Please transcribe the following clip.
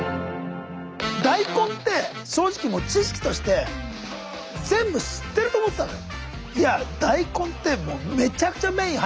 大根って正直もう知識として全部知ってると思ってたのよ。